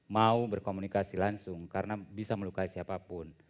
mau berkomunikasi langsung karena bisa melukai siapapun